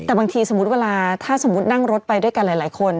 แต่บางทีสมมุติเวลาถ้าสมมุตินั่งรถไปด้วยกันหลายคน